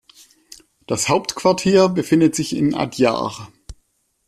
Das Hauptquartier befindet sich in Adyar.